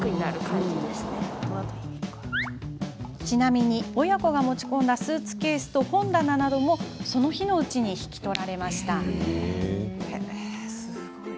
ちなみに、親子が持ち込んだスーツケースと本棚などもその日のうちに引き取られました。